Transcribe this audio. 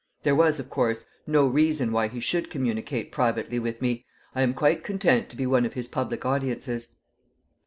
There was, of course, no reason why he should communicate privately with me. I am quite content to be one of his public audiences.